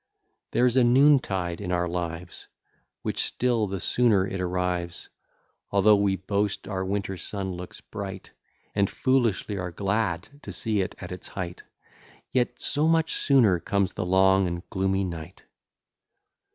There is a noontide in our lives, Which still the sooner it arrives, Although we boast our winter sun looks bright, And foolishly are glad to see it at its height, Yet so much sooner comes the long and gloomy night.